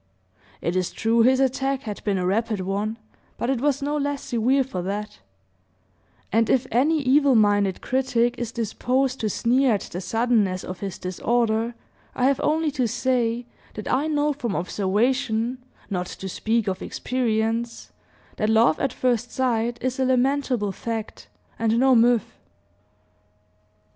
It is true his attack had been a rapid one, but it was no less severe for that; and if any evil minded critic is disposed to sneer at the suddenness of his disorder, I have only to say, that I know from observation, not to speak of experience, that love at first sight is a lamentable fact, and no myth.